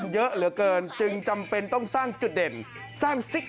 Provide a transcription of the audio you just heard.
อ่านยากเหลือเกินนะครับเขาเต้นแบบนี้เพื่อที่จะขายไม้ด่างนะครับ